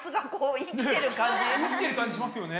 生きてる感じしますよね。